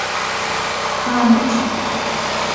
Ka em biçin.